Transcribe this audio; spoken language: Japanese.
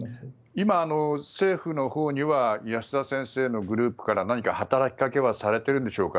今、政府のほうには保田先生のグループから何か働きかけはされているんでしょうか。